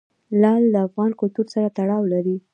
لعل د افغان کلتور سره تړاو لري.